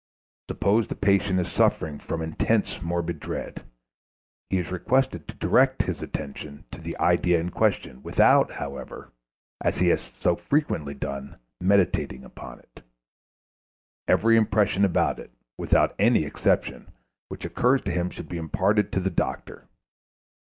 Suppose the patient is suffering from intense morbid dread. He is requested to direct his attention to the idea in question, without, however, as he has so frequently done, meditating upon it. Every impression about it, without any exception, which occurs to him should be imparted to the doctor.